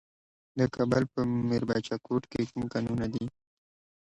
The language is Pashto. د کابل په میربچه کوټ کې کوم کانونه دي؟